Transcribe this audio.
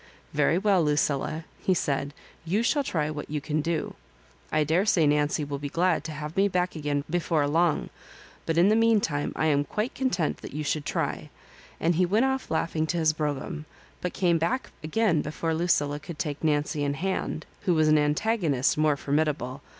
"Very well, Lucilla," he said; *you shall try what you can do. I daresay Nancy will be glad to have me back again before long ; but in the meantime I am quite content that you should try," and he went off laughing to his .brougham, but came back again before Lucilla could take Nancy in hand, who was an antagonist more formidable.